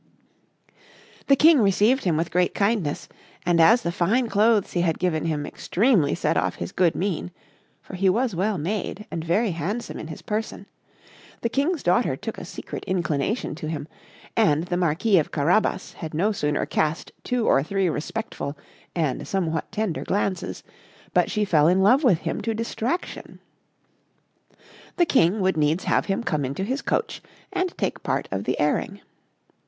The King received him with great kindness, and as the fine clothes he had given him extremely set off his good mien (for he was well made, and very handsome in his person), the King's daughter took a secret inclination to him, and the Marquis of Carabas had no sooner cast two or three respectful and somewhat tender glances, but she fell in love with him to distraction. The King would needs have him come into his coach, and take part of the airing.